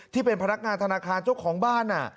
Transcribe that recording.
ที่เป็นพนักงานธนาคารเจ้าของบ้าน